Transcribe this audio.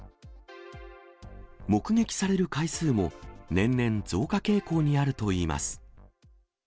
目撃される回数も、年々増加傾向にあるといいます。